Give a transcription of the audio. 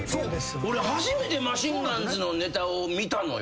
俺初めてマシンガンズのネタを見たのよ。